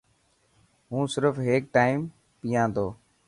هون سرف هيڪ ٽائم پيا ٿو.